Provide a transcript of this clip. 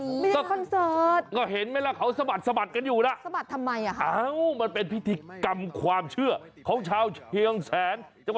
อีกหนึ่งวิธีที่เขาปัดเป่าสิ่งไม่ดีและจะทำวิธีนี้หลังจากสงครานครับ